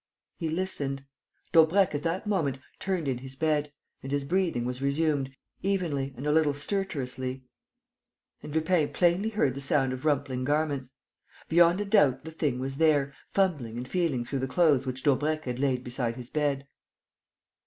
He listened. Daubrecq, at that moment, turned in his bed; and his breathing was resumed, evenly and a little stertorously. And Lupin plainly heard the sound of rumpling garments. Beyond a doubt, the thing was there, fumbling and feeling through the clothes which Daubrecq had laid beside his bed.